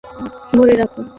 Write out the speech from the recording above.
নে, এটা তোর পেছনে ভরে রাখ।